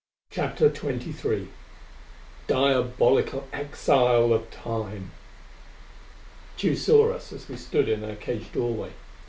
CHAPTER XXIII Diabolical Exile of Time! Tugh saw us as we stood in our cage doorway.